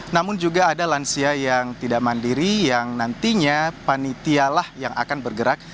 namun juga ada lansia yang tidak mandiri yang nantinya panitialah yang akan bergerak